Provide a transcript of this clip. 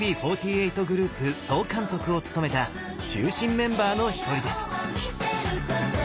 グループ総監督を務めた中心メンバーの一人です。